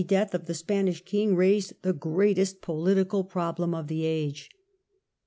death of the Spanish king raised the greatest political problem of the age.